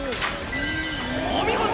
お見事！